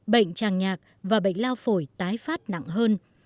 bệnh tràng nhạc và bệnh lao phổi tái phát nặng hơn